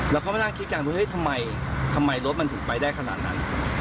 เราก็ไม่น่าคิดกันว่าเฮ้ยทำไมรถมันถึงไปได้ขนาดนั้น